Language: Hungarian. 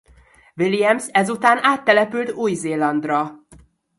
Williams ezután áttelepült Új-Zélandra.